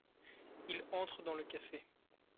Il entre dans le café.